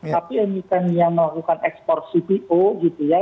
tapi emiten yang melakukan ekspor cpo gitu ya